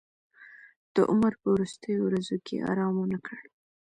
د عمر په وروستیو ورځو کې ارام ونه کړ.